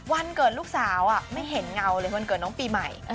วันเกิดลูกสาวไม่เห็นเงาเลยวันเกิดน้องปีใหม่